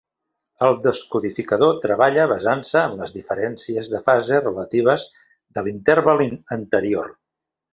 El descodificador treballa basant-se en les diferències de fase relatives de l’interval anterior.